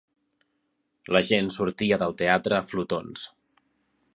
La gent sortia del teatre a flotons.